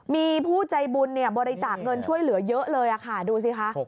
มีผู้ใจบุญบริจาคเงินช่วยเหลือเยอะเลยค่ะดูสิคะ